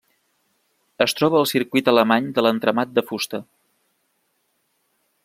Es troba al Circuit alemany de l'entramat de fusta.